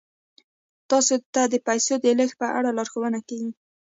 تاسو ته د پیسو د لیږد په اړه لارښوونه کیږي.